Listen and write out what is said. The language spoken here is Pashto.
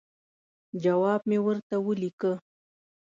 جواب مې ورته ولیکه.